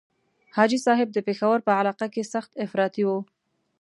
حاجي صاحب د پېښور په علاقه کې سخت افراطي وو.